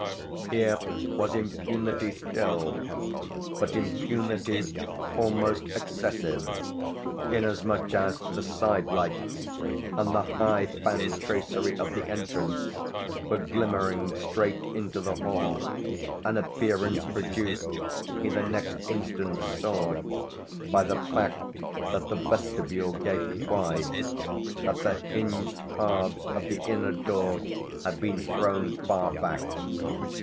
Here was impunity still, but impunity almost excessive; inasmuch as the side lights and the high fantracery of the entrance were glimmering straight into the hall; an appearance produced, he the next instant saw, by the fact that the vestibule gaped wide, that the hinged halves of the inner door had been thrown far back.